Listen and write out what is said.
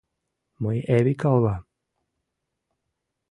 Мый Эвика улам.